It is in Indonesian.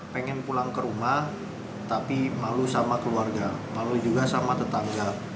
pengen pulang ke rumah tapi malu sama keluarga malu juga sama tetangga